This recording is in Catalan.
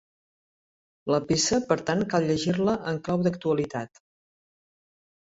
La peça, per tant, cal llegir-la en clau d'actualitat.